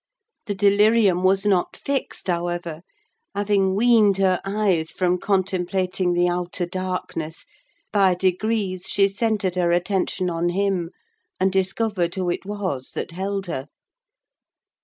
The delirium was not fixed, however; having weaned her eyes from contemplating the outer darkness, by degrees she centred her attention on him, and discovered who it was that held her.